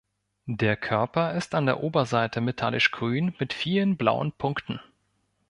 Der Körper ist an der Oberseite metallisch grün mit vielen blauen Punkten.